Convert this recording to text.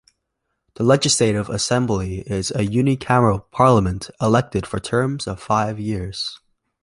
The legislative assembly is a unicameral parliament elected for terms of five years.